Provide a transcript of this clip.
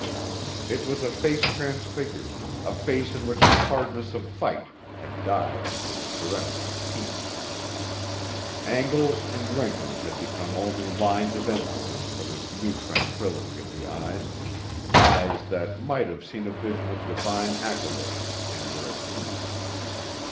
It was a face transfigured; a face in which the hardness of fight had died into the serenity of peace. Angles and wrinkles had become only lines of emphasis for this new tranquillity of the eyes; eyes that might have seen a vision of divine accolade and were at peace.